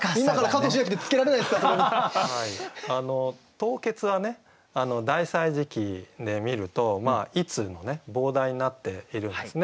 「凍結」は「大歳時記」で見ると「冱つ」の傍題になっているんですね。